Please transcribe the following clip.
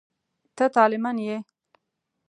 ته طالع من یې.